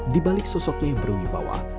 di balik sosoknya yang berwini bawah